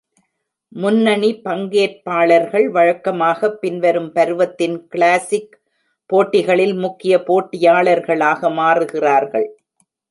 முன்னணி பங்கேற்பாளர்கள் வழக்கமாகப் பின்வரும் பருவத்தின் கிளாசிக் போட்டிகளில் முக்கிய போட்டியாளர்களாக மாறுகிறார்கள்.